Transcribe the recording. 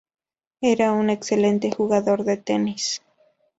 Era un excelente jugador de tenis.